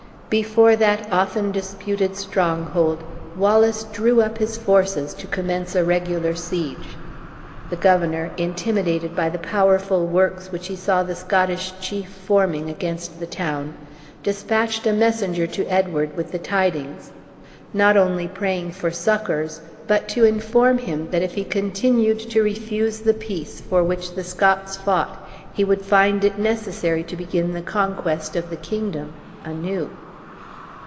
Before that often disputed stronghold, Wallace drew up his forces to commence a regular siege. The governor, intimidated by the powerful works which he saw the Scottish chief forming against the town, dispatched a messenger to Edward with the tidings; not only praying for succors, but to inform him that if he continued to refuse the peace for which the Scots fought, he would find it necessary to begin the conquest of the kingdom anew.